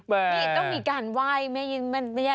แม่พี่ต้องมีการว่ายไม่ใช่ง่ายนะ